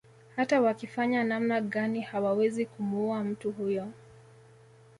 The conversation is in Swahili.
Hata wakifanya namna gani hawawezi kumuua mtu huyo